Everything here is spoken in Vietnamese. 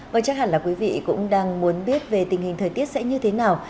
vâng chắc hẳn là quý vị cũng đang muốn biết về tình hình thời tiết sẽ như thế nào